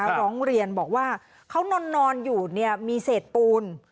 ร้องเรียนบอกว่าเขานอนอยู่มีเศษปูน